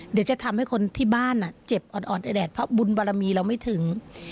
เดี๋ยวจะทำให้คนที่บ้านเจ็บอ่อนแอดเพราะบุญบารมีเราไม่ถึง